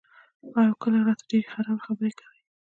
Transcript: او کله راته ډېرې خرابې خرابې خبرې کئ " ـ